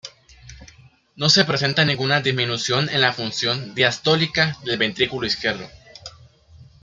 No se presenta ninguna disminución en la función diastólica del ventrículo izquierdo.